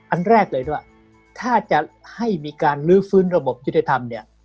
อันแรกเลยด้วยถ้าจะให้มีการลื้อฟื้นระบบยุทธธรรมเนี่ย